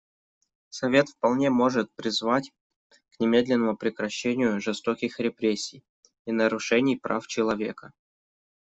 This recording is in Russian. Совет вполне может призвать к немедленному прекращению жестоких репрессий и нарушений прав человека.